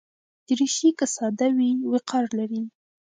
دریشي که ساده وي، وقار لري.